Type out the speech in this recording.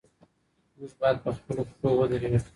موږ باید په خپلو پښو ودرېږو.